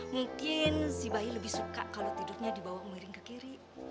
mungkin si bayi lebih suka kalau tidurnya dibawa miring ke kiri